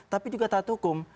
tapi juga taat hukum